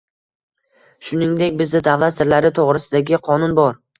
Shuningdek, bizda «Davlat sirlari to‘g‘risida»gi qonun bor.